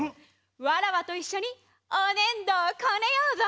わらわといっしょにおねんどをコネようぞ！